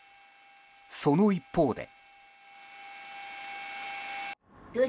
その一方で。